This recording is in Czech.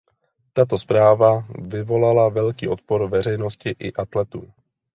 Tato zpráva vyvolala velký odpor veřejnosti i atletů.